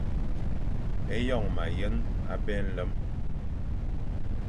Eyon mayen abé nlem.